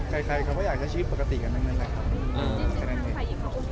ค่ะในใช่สิทธิ์ทางใครยังเข้าโอเคแม้ครับเหมือนกันในเรื่องจังงั้นที่๒